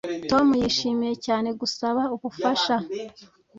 Tom yishimiye cyane gusaba ubufasha